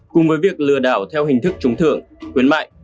cùng với việc lừa đảo theo hình thức trúng thưởng khuyến mại